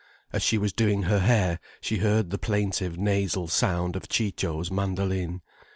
As she was doing her hair, she heard the plaintive nasal sound of Ciccio's mandoline.